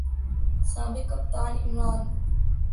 سابق کپتان عمران